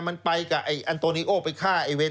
มันไปกับไอ้อันโตนิโอไปฆ่าไอ้เวน